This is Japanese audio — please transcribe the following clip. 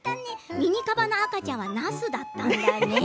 ミニカバの赤ちゃんは、なすだったんだね。